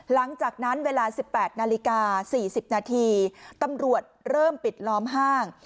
หลังจากนั้นเวลาสิบแปดนาฬิกาสี่สิบนาทีตำรวจเริ่มปิดล้อมห้าง